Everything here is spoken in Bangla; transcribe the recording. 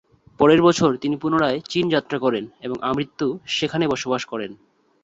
পরের বছর তিনি পুনরায় চীন যাত্রা করেন এবং আমৃত্যু সেখানে বসবাস করেন।